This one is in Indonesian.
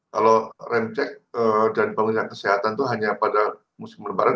kalau rem cek dan bangunan kesehatan itu hanya pada musim lebaran